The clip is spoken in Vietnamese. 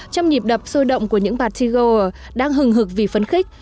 trong nhịp đập sôi động của những partygoer đang hừng hực vì phấn khích